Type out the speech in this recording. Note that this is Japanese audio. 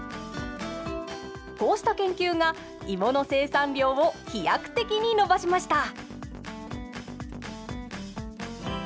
こうした研究が芋の生産量を飛躍的に伸ばしました。